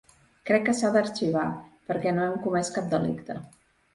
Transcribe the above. Crec que s’ha d’arxivar, perquè no hem comès cap delicte.